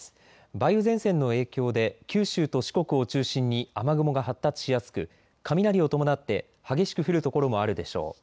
梅雨前線の影響で九州と四国を中心に雨雲が発達しやすく雷を伴って激しく降る所もあるでしょう。